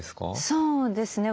そうですね。